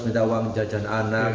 minta uang jajan anak